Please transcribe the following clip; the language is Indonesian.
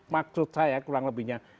maksud saya kurang lebihnya